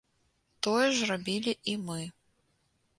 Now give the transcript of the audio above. Тое ж рабілі і мы.